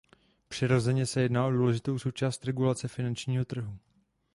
Přirozeně se jedná o důležitou součást regulace finančního trhu.